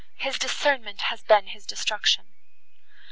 his discernment has been his destruction."